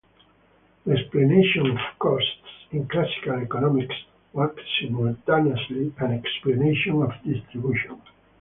The explanation of costs in Classical economics was simultaneously an explanation of distribution.